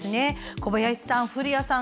小林さん、古谷さん